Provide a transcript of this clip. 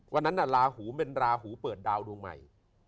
วันนั้นลาหูเป็นราหูเปิดดาวดวงใหม่